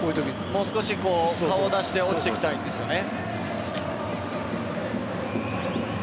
もう少し顔を出して落ちていきたいんですよね。